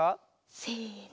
せの。